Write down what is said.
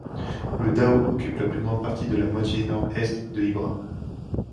Le Dahaut occupe la plus grande partie de la moitié nord-est de Hybras.